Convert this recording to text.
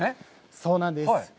そうなんです。